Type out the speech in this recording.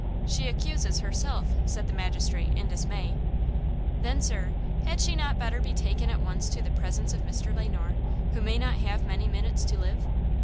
"She accuses herself," said the magistrate, in dismay. "Then, sir, had she not better be taken at once to the presence of Mr. Le Noir, who may not have many minutes to live?"